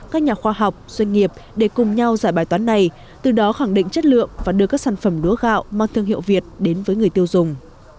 các nhà khoa học doanh nghiệp để cùng nhau giải bài toán này từ đó khẳng định chất lượng và đưa các sản phẩm lúa gạo mang thương hiệu việt đến với người tiêu dùng